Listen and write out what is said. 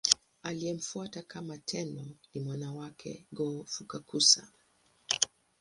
Aliyemfuata kama Tenno ni mwana wake Go-Fukakusa.